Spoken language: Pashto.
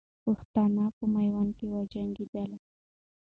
پښتانه په میوند کې وجنګېدل.